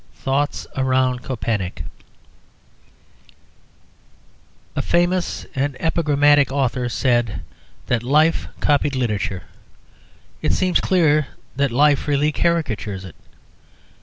THOUGHTS AROUND KOEPENICK A famous and epigrammatic author said that life copied literature; it seems clear that life really caricatures it.